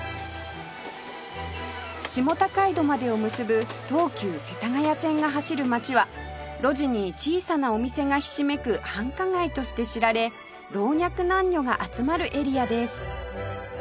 下高井戸までを結ぶ東急世田谷線が走る街は路地に小さなお店がひしめく繁華街として知られ老若男女が集まるエリアです